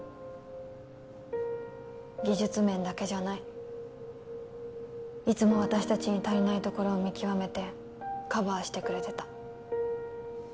技術面だけじゃないいつも私達に足りないところを見極めてカバーしてくれてた